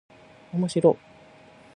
おもしろっ